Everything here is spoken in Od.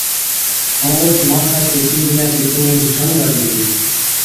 ائُون اوهچ ماڻسا چي پنبڙِيان چي چُونڻي ڇئُون لاگي هِتين۔